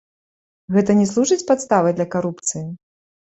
Гэта не служыць падставай для карупцыі?